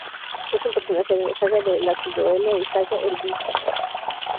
Es un personaje de la "saga de Laxdœla", y "saga Eyrbyggja".